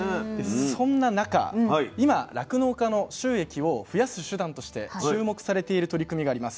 そんな中今酪農家の収益を増やす手段として注目されている取り組みがあります。